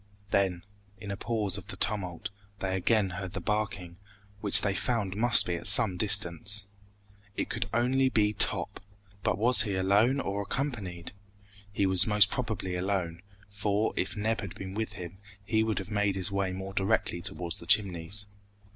Then, in a pause of the tumult, they again heard the barking, which they found must be at some distance. It could only be Top! But was he alone or accompanied? He was most probably alone, for, if Neb had been with him, he would have made his way more directly towards the Chimneys.